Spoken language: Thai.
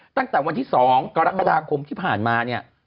ตั้งแต่วันที่๒กรกฎาคมที่ผ่านมาเนี่ย